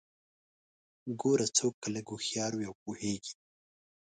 ګوره څوک که لږ هوښيار وي او پوهیږي